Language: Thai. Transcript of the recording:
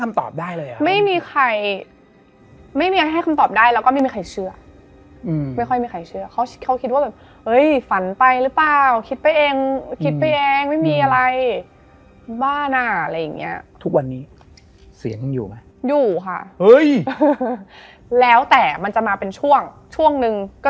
มันจะเป็นลมเราก็นั่งอยู่อย่างนี้เพื่อจะหายใจ